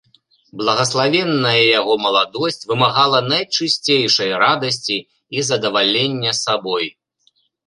Благаславенная яго маладосць вымагала найчысцейшай радасці і задавалення сабой.